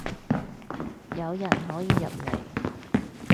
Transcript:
有人可以入嚟